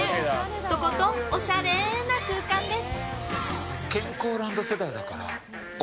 とことんおしゃれな空間です！